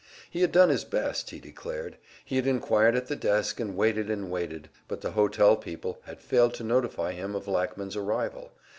He had done his best, he declared; he had inquired at the desk, and waited and waited, but the hotel people had failed to notify him of Lackman's arrival.